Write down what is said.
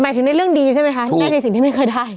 ถึงในเรื่องดีใช่ไหมคะนั่นในสิ่งที่ไม่เคยได้